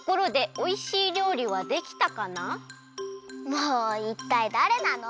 もういったいだれなの？